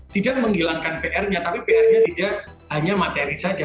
tidak menghilangkan pr nya tapi pr nya tidak hanya materi saja